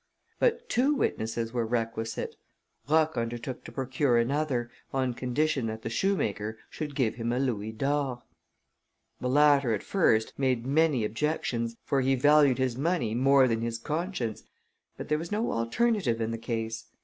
But two witnesses were requisite. Roch undertook to procure another, on condition that the shoemaker should give him a louis d'or. The latter, at first, made many objections; for he valued his money more than his conscience, but there was no alternative in the case.